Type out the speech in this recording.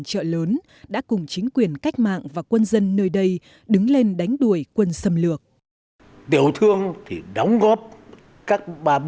chợ lớn đã cùng chính quyền cách mạng và quân dân nơi đây đứng lên đánh đuổi quân xâm lược